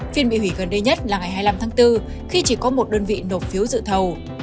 phiên bị hủy gần đây nhất là ngày hai mươi năm tháng bốn khi chỉ có một đơn vị nộp phiếu dự thầu